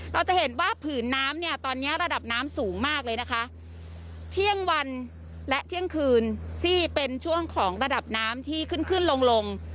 เราจะเห็นว่าผืนน้ำเนี่ยตอนเนี้ยระดับน้ำสูงมากเลยนะคะเที่ยงวันและเที่ยงคืนที่เป็นช่วงของระดับน้ำที่ขึ้นขึ้นลงลง